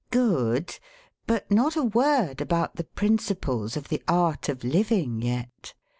Good! But not a word about the principles of the art of living yet!